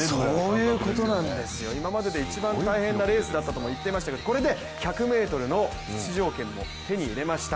そういうことなんですよ、今までで一番大変なレースだとも言っていましたがこれで１００ｍの出場権も手に入れました。